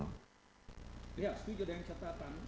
tidak setuju dengan catatan